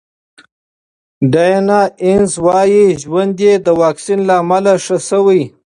ډیانا اینز وايي ژوند یې د واکسین له امله ښه شوی.